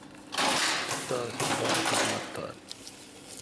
تا اسی باڑ خذمت تھال۔